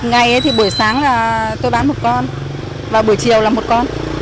ngày thì buổi sáng là tôi bán một con và buổi chiều là một con